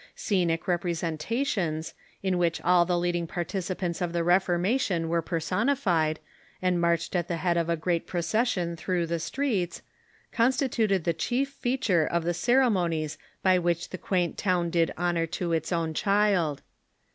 Scenic representations, in which all the leading participants of the Reformation were personified, and marched at the head of a great procession through the streets, constituted the chief feat ure of the ceremonies by which the quaint town did honor to its own child.